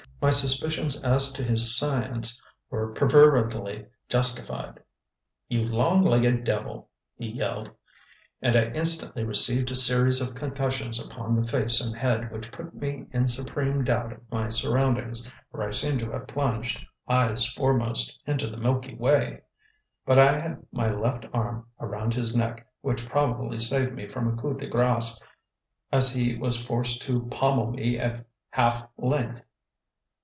My suspicions as to his "science" were perfervidly justified. "You long legged devil!" he yelled, and I instantly received a series of concussions upon the face and head which put me in supreme doubt of my surroundings, for I seemed to have plunged, eyes foremost, into the Milky Way. But I had my left arm around his neck, which probably saved me from a coup de grace, as he was forced to pommel me at half length.